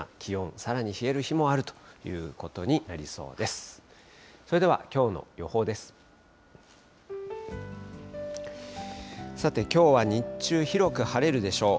さて、きょうは日中、広く晴れるでしょう。